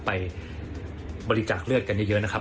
ไปบริจาคเลือดกันเยอะนะครับ